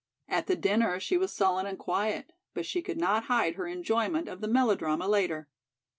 At the dinner she was sullen and quiet, but she could not hide her enjoyment of the melodrama later.